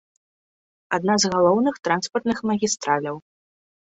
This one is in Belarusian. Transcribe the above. Адна з галоўных транспартных магістраляў.